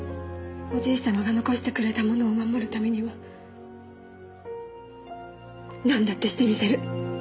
おじい様が遺してくれたものを守るためにはなんだってしてみせる。